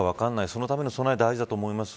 そのための備え大事だと思います。